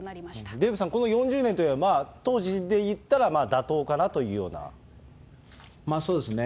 デーブさん、この４０年というのは、まあ、当時でいったら、そうですね。